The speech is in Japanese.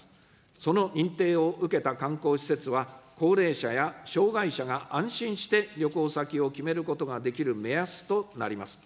その認定を受けた観光施設は、高齢者や障害者が安心して旅行先を決めることができる目安となります。